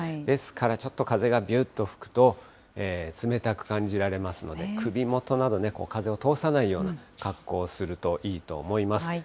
ですから、ちょっと風がびゅーっと吹くと、冷たく感じられますので、首元など、風を通さないような格好をするといいと思います。